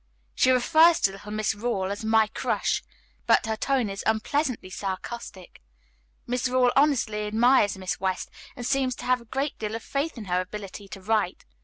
She refers to little Miss Rawle as 'my crush,' but her tone is unpleasantly sarcastic. Miss Rawle honestly admires Miss West and seems to have a great deal of faith in her ability to write.